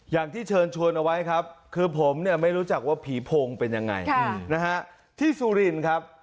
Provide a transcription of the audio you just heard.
อย่างที่เชิญชวนเอาไว้ครับคือผมเนี่ยไม่รู้จักว่าผีโพงเป็นยังไงนะฮะที่สุรินครับ